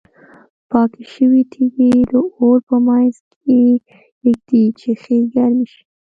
پاکې شوې تیږې د اور په منځ کې ږدي چې ښې ګرمې شي.